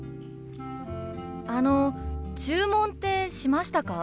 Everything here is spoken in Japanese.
あの注文ってしましたか？